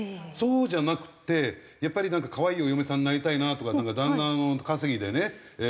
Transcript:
そうじゃなくてやっぱりなんか可愛いお嫁さんになりたいなとか旦那の稼ぎでね